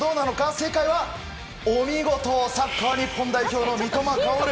正解はお見事、サッカー日本代表の三笘薫。